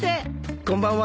こんばんは。